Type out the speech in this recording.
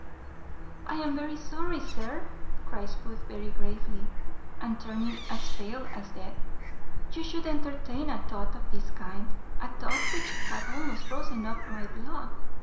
"I am very sorry, sir," cries Booth very gravely, and turning as pale as death, "you should entertain a thought of this kind; a thought which hath almost frozen up my blood.